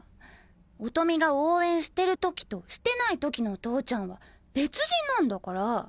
音美が応援してる時としてない時の投ちゃんは別人なんだから！